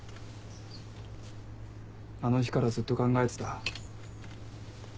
あの日からずっと考えてた。